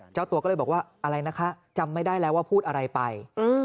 เจ้าตัวก็เลยบอกว่าอะไรนะคะจำไม่ได้แล้วว่าพูดอะไรไป